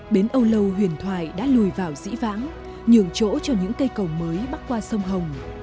bến âu lâu huyền thoại đã lùi vào dĩ vãng nhường chỗ cho những cây cầu mới bắc qua sông hồng